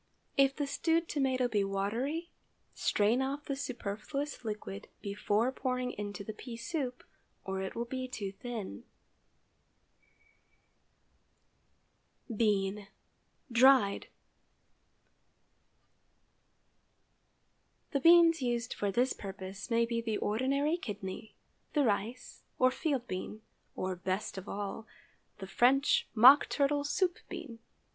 If the stewed tomato be watery, strain off the superfluous liquid before pouring into the pea soup, or it will be too thin. BEAN (dried.) ✠ The beans used for this purpose may be the ordinary kidney, the rice or field bean, or, best of all, the French mock turtle soup bean.